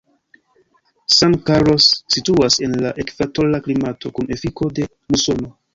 San Carlos situas en la ekvatora klimato kun efiko de musono.